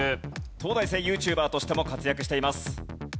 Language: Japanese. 東大生ＹｏｕＴｕｂｅｒとしても活躍しています。